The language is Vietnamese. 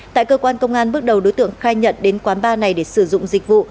tại cơ quan công an bước đầu đối tượng khai nhận đến quán bar này để sử dụng dịch vụ